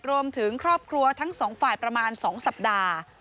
รวมถึงครอบครัวทั้งสองฝ่ายประมาณ๒สัปดาห์